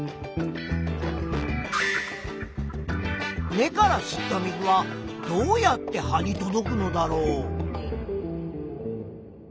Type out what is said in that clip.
根から吸った水はどうやって葉に届くのだろう？